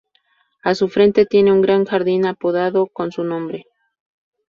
A su frente tiene un gran jardín apodado con su nombre.